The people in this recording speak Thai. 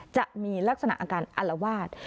จะมีลักษณะอาการอลวาด